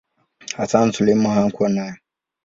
Hassan Suleiman hakuwa nayo.